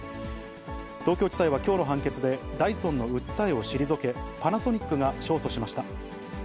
東京地裁はきょうの判決でダイソンの訴えを退け、パナソニックが勝訴しました。